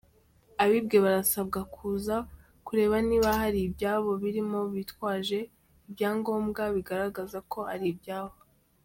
Abibwe barasabwa kuza kureba niba hari ibyabo birimo bitwaje ibyangombwa bigaragaza ko ari ibyabo.